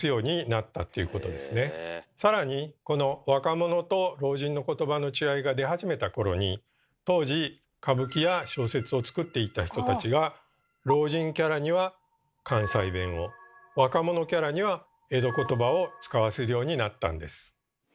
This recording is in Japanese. さらにこの若者と老人の言葉の違いが出始めた頃に当時歌舞伎や小説を作っていた人たちが老人キャラには関西弁を若者キャラには江戸言葉を使わせるようになったんです。